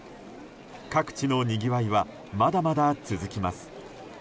各地のにぎわいはまだまだ続きます。